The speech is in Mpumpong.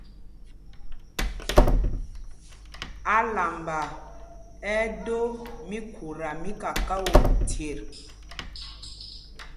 Álamba ɛ́ ɛ́ dō míkhuta mí kakao chyet.